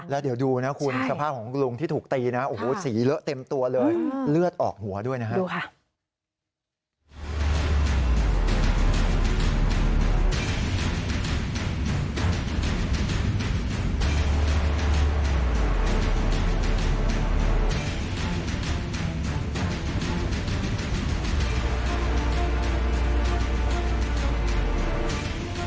แล้วเดี๋ยวดูนะคุณสภาพของลุงที่ถูกตีนะโอ้โหสีเลอะเต็มตัวเลยเลือดออกหัวด้วยนะครับ